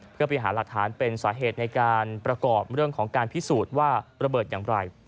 เพื่อไปหาหลักฐานเป็นสาเหตุในการประกอบเรื่องของการพิสูจน์ว่าระเบิดอย่างไร